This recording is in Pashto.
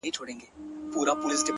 غمونه ټول پر فريادي را اوري.!